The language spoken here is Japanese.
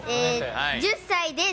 １０歳です。